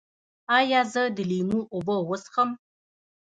ایا زه د لیمو اوبه وڅښم؟